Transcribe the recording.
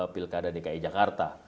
pilkada dki jakarta